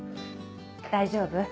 大丈夫？